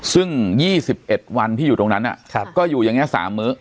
ซึ่งยี่สิบเอ็ดวันที่อยู่ตรงนั้นอ่ะครับก็อยู่อย่างเงี้ยสามมื้อ